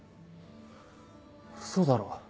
ウソだろ。